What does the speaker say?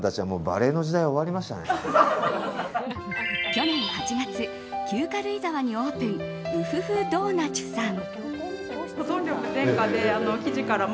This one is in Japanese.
去年８月、旧軽井沢にオープンウフフドーナチュさん。